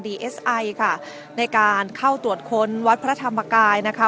เอสไอค่ะในการเข้าตรวจค้นวัดพระธรรมกายนะคะ